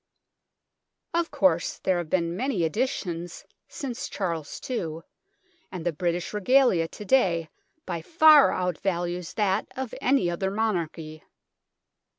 Of course, there have been many additions since Charles II, and the British Regalia to day by far out values that of any other monarchy.